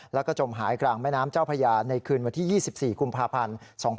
แล้วก็จมหายกลางแม่น้ำเจ้าพญาในคืนวันที่๒๔กุมภาพันธ์๒๕๖๒